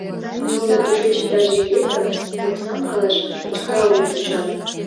Нуно тушеч иктаж еҥ лектын оксам налаш кычкыралмым вучат.